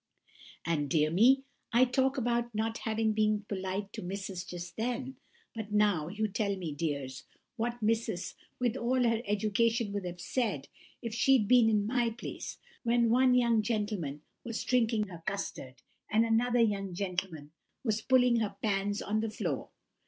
And, dear me, I talk about not having been polite to Missus just then, but now you tell me, dears, what Missus, with all her education, would have said if she'd been in my place, when one young gentleman was drinking her custard, and another young gentleman was pulling her pans on the floor!